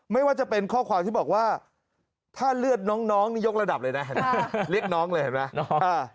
ไม่ว่าจะเป็นข้อความที่บอกว่าถ้าเลือดน้องนี่ยกระดับเลยนะเห็นไหมเรียกน้องเลยเห็นไหม